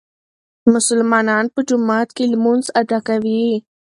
مسلمانان په جومات کې لمونځ ادا کوي.